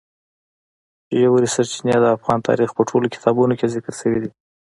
ژورې سرچینې د افغان تاریخ په ټولو کتابونو کې ذکر شوي دي.